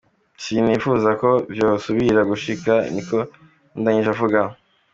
Sinipfuza ko vyosubira gushika," niko yabandanije avuga.